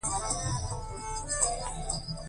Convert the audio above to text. انډریو ډاټ باس خپل تندی ترېو کړ